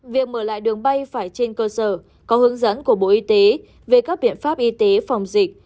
việc mở lại đường bay phải trên cơ sở có hướng dẫn của bộ y tế về các biện pháp y tế phòng dịch